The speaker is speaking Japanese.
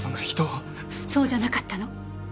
そうじゃなかったの。